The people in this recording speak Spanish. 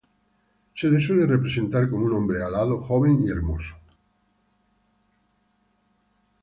Se le suele representar como un hombre alado, joven y hermoso.